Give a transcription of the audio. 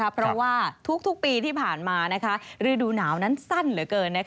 เพราะว่าทุกปีที่ผ่านมาฤดูหนาวนั้นสั้นเหลือเกิน